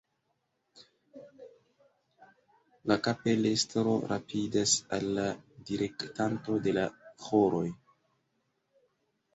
La kapelestro rapidas al la direktanto de la ĥoroj.